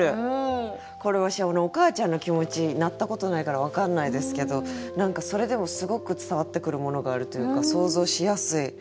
これわしお母ちゃんの気持ちなったことないから分かんないですけど何かそれでもすごく伝わってくるものがあるというか想像しやすい。